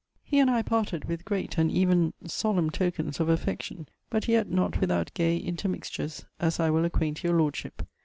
He and I parted with great and even solemn tokens of affection; but yet not without gay intermixtures, as I will acquaint your Lordship.